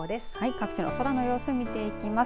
各地の空の様子を見ていきます。